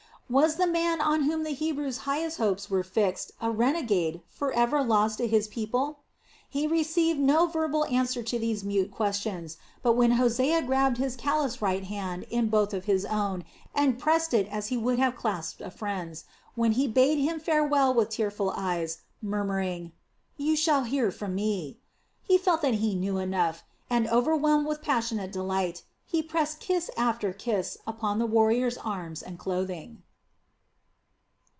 Was the man on whom the Hebrews' highest hopes were fixed a renegade, forever lost to his people? He received no verbal answer to these mute questions, but when Hosea grasped his callous right hand in both his own and pressed it as he would have clasped a friend's, when he bade him farewell with tearful eyes, murmuring: "You shall hear from me!" he felt that he knew enough and, overwhelmed with passionate delight, he pressed kiss after kiss upon the warrior's arms and clothing.